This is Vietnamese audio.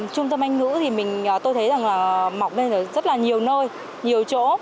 trung tâm anh ngữ thì tôi thấy rằng là mọc lên ở rất là nhiều nơi nhiều chỗ